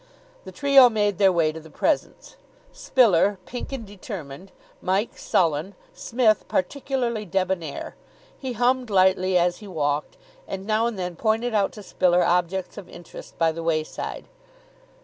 The trio made their way to the Presence, Spiller pink and determined, Mike sullen, Psmith particularly debonair. He hummed lightly as he walked, and now and then pointed out to Spiller objects of interest by the wayside.